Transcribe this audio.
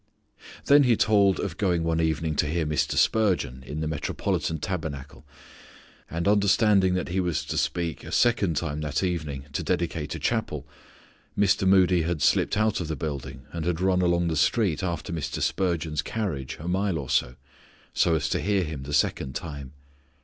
Then he told of going one evening to hear Mr. Spurgeon in the Metropolitan Tabernacle; and understanding that he was to speak a second time that evening to dedicate a chapel, Mr. Moody had slipped out of the building and had run along the street after Mr. Spurgeon's carriage a mile or so, so as to hear him the second time.